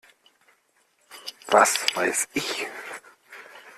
Was weiß ich!